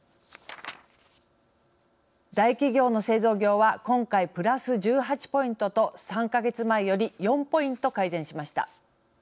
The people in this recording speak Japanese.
大企業の製造業は今回プラス１８ポイントと３か月前より４ポイント改善しました。